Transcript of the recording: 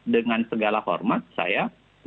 dengan segala hormat saya